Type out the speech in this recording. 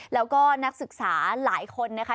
แล้วก็นักศึกษาหลายคนนะคะ